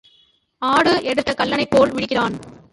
ஆடு எடுத்த கள்ளனைப் போல் விழிக்கிறான்.